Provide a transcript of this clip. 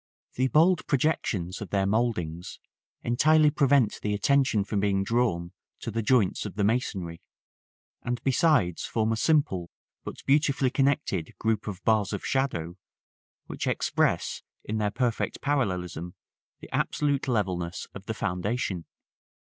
The bold projections of their mouldings entirely prevent the attention from being drawn to the joints of the masonry, and besides form a simple but beautifully connected group of bars of shadow, which express, in their perfect parallelism, the absolute levelness of the foundation.